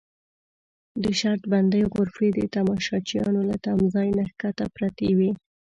د شرط بندۍ غرفې د تماشچیانو له تمځای نه کښته پرتې وې.